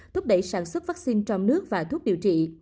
thúc đẩy sản xuất vaccine trong nước và thuốc điều trị